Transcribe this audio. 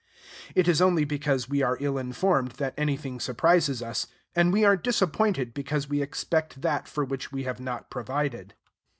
It is only because we are ill informed that anything surprises us; and we are disappointed because we expect that for which we have not provided.